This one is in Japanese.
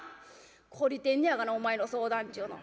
懲りてんねやがなお前の相談っちゅうの。